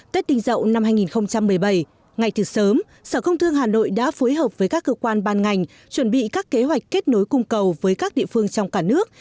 tết đinh dậu năm hai nghìn một mươi bảy ngay từ sớm sở công thương hà nội đã phối hợp với các cơ quan ban ngành chuẩn bị các kế hoạch kết nối cung cầu với các địa phương trong cả nước